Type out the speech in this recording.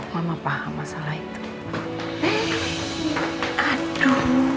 mama paham mas'alah itu